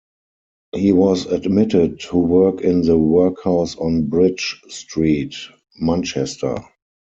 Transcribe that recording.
He was admitted to work in the Workhouse on Bridge Street, Manchester.